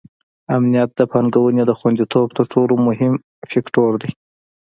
امنیت د پانګونې د خونديتوب تر ټولو مهم فکتور دی.